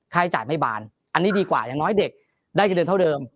ให้จ่ายไม่บานอันนี้ดีกว่าอย่างน้อยเด็กได้เงินเดือนเท่าเดิม